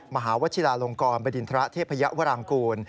มหาวชิลาลงกรบดินทระเทพยวรางกูล